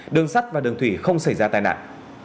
đường sắt và đường thủy không xảy ra tai nạn